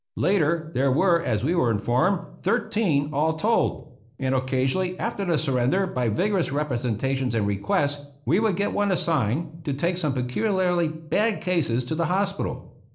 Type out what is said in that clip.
Later there were, as we were informed, thirteen all told ; and occasionally after the surrender, by vigorous representations and requests, we would get one assigned to take some peculiarly bad cases to the hospital.